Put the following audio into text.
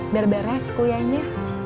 biar beres kuyanya